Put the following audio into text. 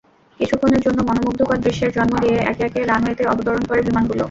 কিছুক্ষণের জন্য মনোমুগ্ধকর দৃশ্যের জন্ম দিয়ে একে একে রানওয়েতে অবতরণ করে বিমানগুলো।